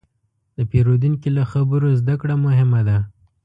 د پیرودونکي له خبرو زدهکړه مهمه ده.